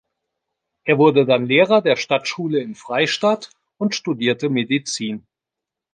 Er wurde dann Lehrer der Stadtschule in Freystadt und studierte Medizin.